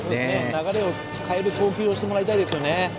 流れを変える投球をしてもらいたいですよね。